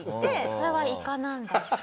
これはいかなんだ。